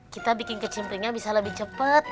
kita bikin kecimpringnya bisa lebih cepet